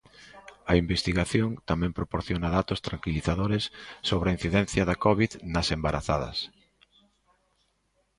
A investigación tamén proporciona datos tranquilizadores sobre a incidencia da covid nas embarazadas.